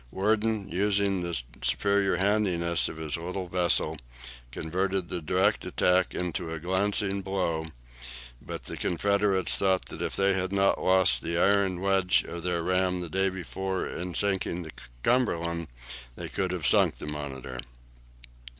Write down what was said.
Worden, using the superior handiness of his little vessel, converted the direct attack into a glancing blow, but the Confederates thought that if they had not lost the iron wedge of their ram the day before in sinking the "Cumberland" they would have sunk the "Monitor."